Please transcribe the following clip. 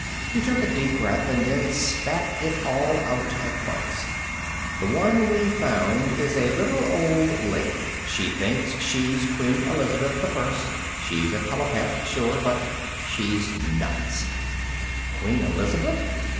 He took a deep breath, and then spat it all out at once: "The one we've found is a little old lady. She thinks she's Queen Elizabeth I. She's a telepath, sure, but she's nuts." "Queen Elizabeth?"